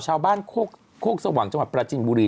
ชาวบ้านโคกสว่างจังหวัดปราจินบุรี